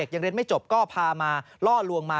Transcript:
ยังเรียนไม่จบก็พามาล่อลวงมา